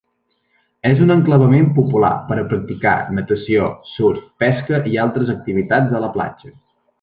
És un enclavament popular per practicar natació, surf, pesca i altres activitats a la platja.